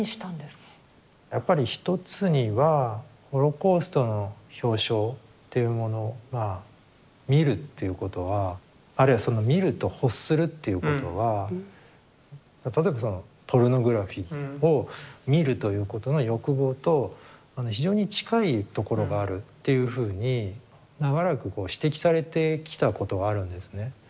やっぱり一つにはホロコーストの表象っていうものが見るということはあるいはその見ると欲するっていうことは例えばそのポルノグラフィを見るということの欲望と非常に近いところがあるっていうふうに長らくこう指摘されてきたことがあるんですね。